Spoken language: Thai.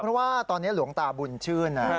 เพราะว่าตอนนี้หลวงตาบุญชื่นนะ